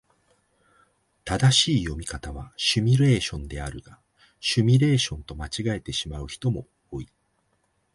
正しい読み方はシミュレーションゲームであるが、シュミレーションと間違えてしまう人も多い。